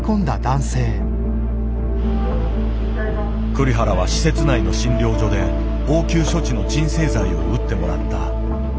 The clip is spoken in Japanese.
栗原は施設内の診療所で応急処置の鎮静剤を打ってもらった。